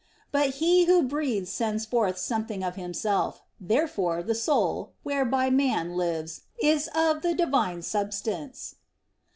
But he who breathes sends forth something of himself. Therefore the soul, whereby man lives, is of the Divine substance.